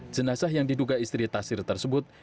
jenazah yang diduga istri tasir tersebut